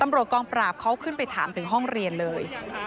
ตำรวจกองปราบเขาขึ้นไปถามถึงห้องเรียนเลย